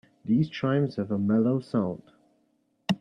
These chimes have a mellow sound.